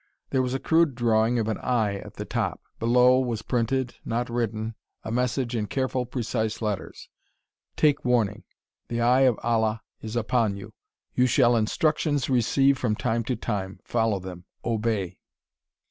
There was a crude drawing of an eye at the top. Below was printed not written a message in careful, precise letters: "Take warning. The Eye of Allah is upon you. You shall instructions receive from time to time. Follow them. Obey."